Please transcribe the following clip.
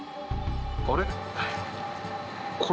あれ？